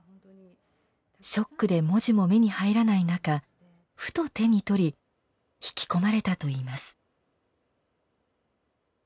ショックで文字も目に入らない中ふと手に取り引き込まれたといいます。